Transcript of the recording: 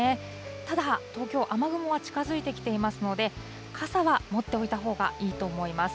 ただ、東京、雨雲が近づいてきていますので、傘は持っておいたほうがいいと思います。